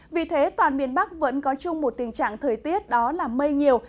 vì thế toàn miền bắc vẫn có chung một tình trạng thời tiết đó là mây nhiều